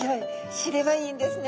知ればいいんですね。